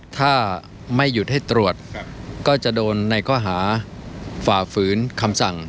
ถ้าไม่หยุดให้ตรวจก็จะโดนในข้อหาฝ่าฝืนคำสั่ง